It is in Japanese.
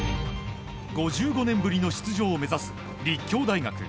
５５年ぶりの出場を目指す立教大学。